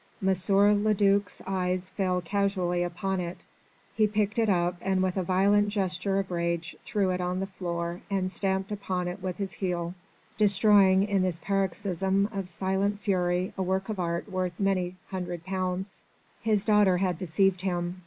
M. le duc's eyes casually fell upon it; he picked it up and with a violent gesture of rage threw it on the floor and stamped upon it with his heel, destroying in this paroxysm of silent fury a work of art worth many hundred pounds. His daughter had deceived him.